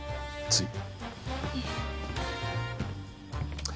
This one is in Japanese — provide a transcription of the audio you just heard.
つい。